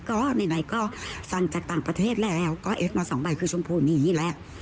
ก็ไหนก็สั่งจากต่างประเทศแล้วก็เอ็กซมาสองใบคือชมพูนี้แหละ